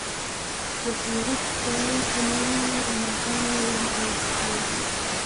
د پیرود ځای ته نوې رڼاګانې ولګول شوې.